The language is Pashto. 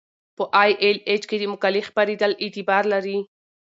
په ای ایل ایچ کې د مقالې خپریدل اعتبار دی.